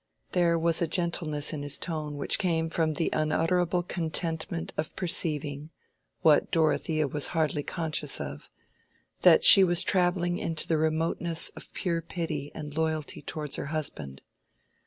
There was a gentleness in his tone which came from the unutterable contentment of perceiving—what Dorothea was hardly conscious of—that she was travelling into the remoteness of pure pity and loyalty towards her husband.